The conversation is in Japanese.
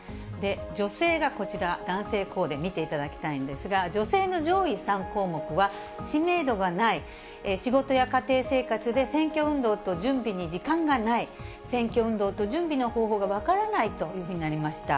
女性がこちら、男性こうで、見ていただきたいんですが、女性の上位３項目は、知名度がない、仕事や家庭生活で選挙運動と準備に時間がない、選挙運動と準備の方法が分からないというふうになりました。